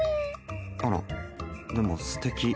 あらでもすてき！